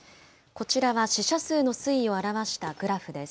こちらは死者数の推移を表したグラフです。